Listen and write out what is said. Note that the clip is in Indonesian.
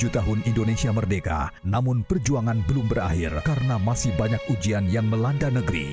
tujuh tahun indonesia merdeka namun perjuangan belum berakhir karena masih banyak ujian yang melanda negeri